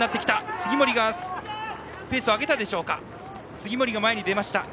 杉森が前に出ました。